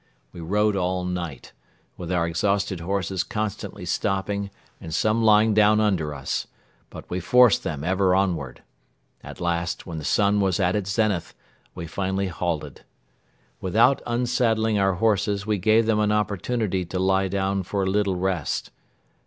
We rode all night, with our exhausted horses constantly stopping and some lying down under us, but we forced them ever onward. At last, when the sun was at its zenith, we finally halted. Without unsaddling our horses, we gave them an opportunity to lie down for a little rest.